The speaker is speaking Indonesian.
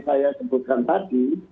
saya sebutkan tadi